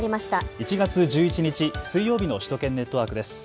１月１１日、水曜日の首都圏ネットワークです。